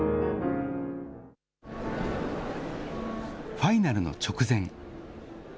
ファイナルの直前。